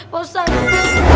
paus aja deh ya kan